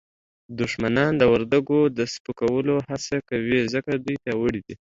دښمنان د وردګو د سپکولو هڅه کوي ځکه دوی پیاوړي دي